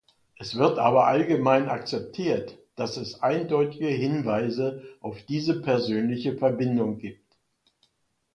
Es wird aber allgemein akzeptiert, dass es eindeutige Hinweise auf diese persönliche Verbindung gibt.